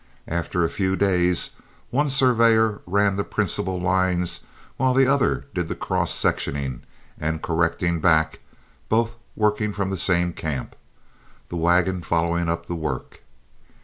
After a few days one surveyor ran the principal lines while the other did the cross sectioning and correcting back, both working from the same camp, the wagon following up the work.